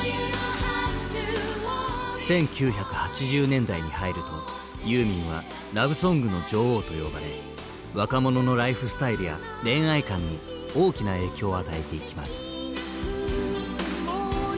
１９８０年代に入るとユーミンは「ラブソングの女王」と呼ばれ若者のライフスタイルや恋愛観に大きな影響を与えていきます。